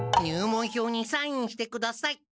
入門票にサインしてください。